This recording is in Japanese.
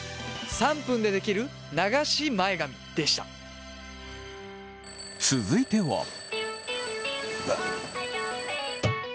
３分でできる流し前髪でした続いては。